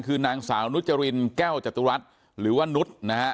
คือนางสาวนุจรินแก้วจตุรัสหรือว่านุษย์นะฮะ